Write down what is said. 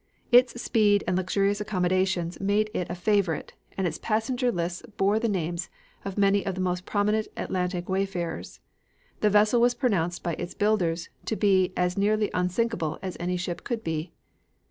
Its speed and luxurious accommodations made it a favorite, and its passenger lists bore the names of many of the most prominent Atlantic wayfarers. The vessel was pronounced by its builders to be as nearly unsinkable as any ship could be.